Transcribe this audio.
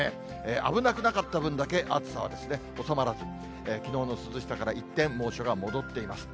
危なくなかった分だけ暑さは収まらず、きのうの涼しさから一転、猛暑が戻っています。